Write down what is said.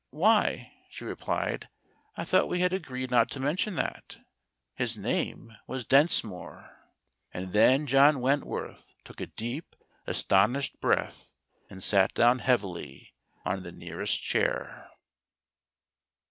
"" Why," she replied, " I thought we had agreed not to mention that. His name was Densmore." And then John Wentworth took a deep, astonished breath, and sat down heavily on the nearest chair.